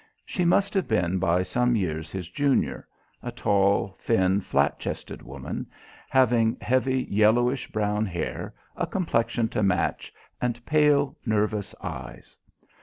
She must have been by some years his junior a tall, thin, flat chested woman, having heavy, yellowish brown hair, a complexion to match, and pale, nervous eyes.